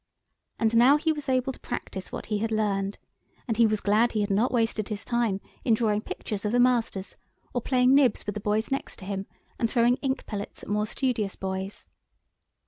And now he was able to practise what he had learned, and he was glad he had not wasted his time in drawing pictures of the masters, or playing nibs with the boys next him, and throwing ink pellets at more studious boys.